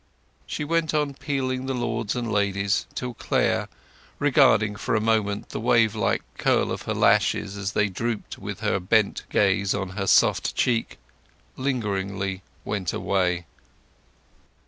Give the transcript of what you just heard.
She went on peeling the lords and ladies till Clare, regarding for a moment the wave like curl of her lashes as they dropped with her bent gaze on her soft cheek, lingeringly went away.